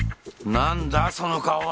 なんだその顔は？